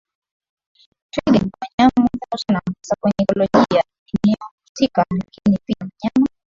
Twiga ni wanyama muhimu sana hasa kwenye ikolojia ya eneo husika lakini pia mnyama